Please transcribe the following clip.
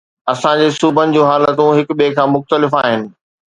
اسان جي صوبن جون حالتون هڪ ٻئي کان مختلف آهن.